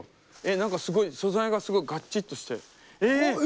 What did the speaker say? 何かすごい素材がすごいガチッとしてえ！